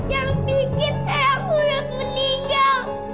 yang bikin eyang iyut meninggal